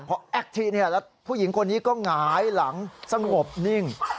พอแอคทีแล้วผู้หญิงคนนี้ก็หงายหลังสงบนิ่ง